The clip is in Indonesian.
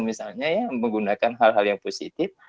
misalnya ya menggunakan hal hal yang positif